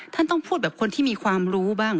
ท่านต้องพูดแบบคนที่มีความรู้บ้าง